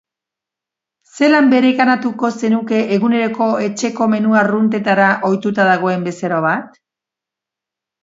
Zelan bereganatuko zenuke eguneroko etxeko menu arruntetara ohituta dagoen bezero bat?